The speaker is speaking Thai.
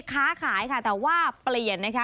ค้าขายค่ะแต่ว่าเปลี่ยนนะคะ